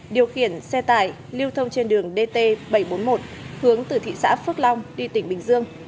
điều khiển xe tải lưu thông trên đường dt bảy trăm bốn mươi một hướng từ thị xã phước long đi tỉnh bình dương